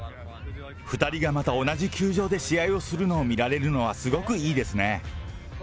２人がまた同じ球場で試合をするのを見られるのはすごくいいですね。